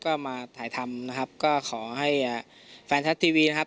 ก็มาถ่ายทำนะครับก็ขอให้แฟนชัดทีวีนะครับ